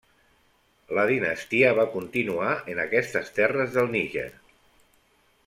La dinastia va continuar en aquestes terres del Níger.